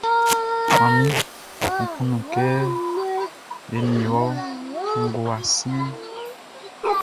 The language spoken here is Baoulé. Manmi, Nʼkunnu kɛ eni wɔ ngowa siɛnʼn.